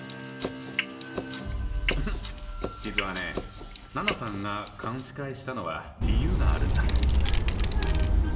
実はね奈奈さんが勘違いしたのは理由があるんだ。